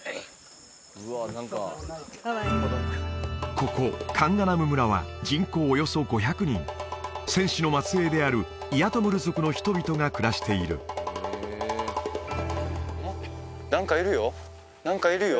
ここカンガナム村は人口およそ５００人戦士の末裔であるイアトムル族の人々が暮らしている何かいるよ